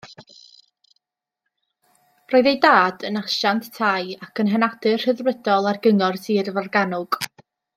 Roedd ei dad yn asiant tai ac yn henadur Rhyddfrydol ar Gyngor Sir Forgannwg.